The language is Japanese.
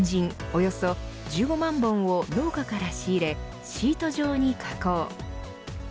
およそ１５万本を農家から仕入れシート状に加工。